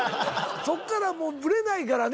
そこからもうブレないからね。